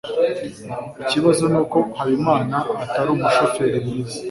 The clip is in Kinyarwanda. ikibazo nuko habimana atari umushoferi mwiza